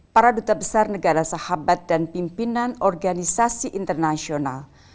para duta besar negara sahabat dan pimpinan organisasi internasional